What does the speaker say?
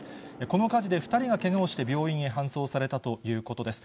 この火事で２人がけがをして病院へ搬送されたということです。